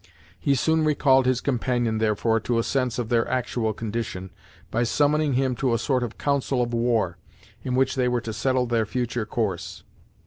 He soon recalled his companion, therefore, to a sense of their actual condition, by summoning him to a sort of council of war, in which they were to settle their future course.